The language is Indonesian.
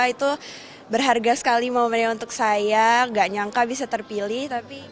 itu berharga sekali momennya untuk saya gak nyangka bisa terpilih